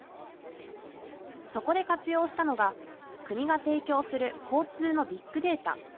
そこで活用したのが国が提供する交通のビッグデータ。